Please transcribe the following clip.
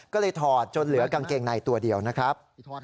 ก็เลยถอดจนเหลือกางเกงในตัวเดียวนะครับ